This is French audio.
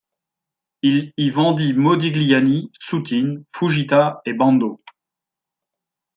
Il y vendit Modigliani, Soutine, Foujita et Bando.